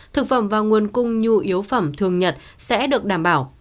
thực phẩm và nguồn cung nhu yếu phẩm thường nhật sẽ được đảm bảo